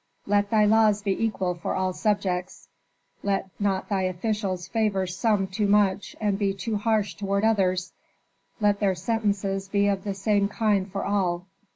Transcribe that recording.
"Let thy laws be equal for all subjects, let not thy officials favor some too much and be too harsh toward others; let their sentences be of the same kind for all.